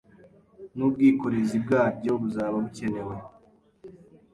n'ubwikorezi bwabyo buzaba bukenewe